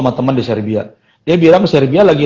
sama temen di serbia dia bilang serbia lagi